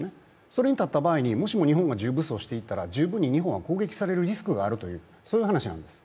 それに立った場合に、もしも日本が重武装していったら、十分に日本は攻撃されるリスクがあるというこういう話なんです。